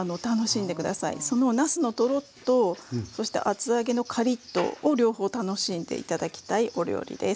そのなすのトロッとそして厚揚げのカリッとを両方楽しんで頂きたいお料理です。